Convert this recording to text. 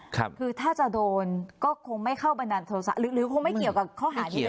คือถ้าจะโดนก็คงไม่เข้าบันดาลโทษะหรือคงไม่เกี่ยวกับข้อหานี้เลย